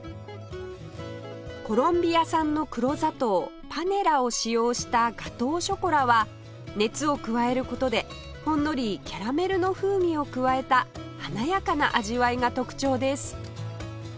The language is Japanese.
コロンビア産の黒砂糖パネラを使用したガトーショコラは熱を加える事でほんのりキャラメルの風味を加えた華やかな味わいが特徴です